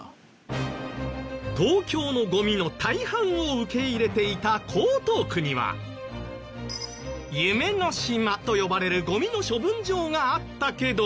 東京のゴミの大半を受け入れていた江東区には「夢の島」と呼ばれるゴミの処分場があったけど。